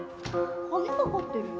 鍵かかってるよ。